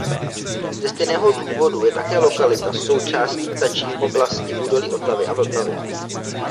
Ze stejného důvodu je také lokalita součástí ptačí oblasti Údolí Otavy a Vltavy.